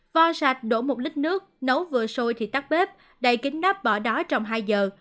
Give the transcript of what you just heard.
vo sạch đổ một lít nước nấu vừa sôi thì tắt bếp đầy kính nắp bỏ đó trong hai giờ